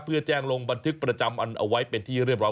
จะแจ้งลงบันทึกประจำเอาไว้เป็นที่เรียบร้อย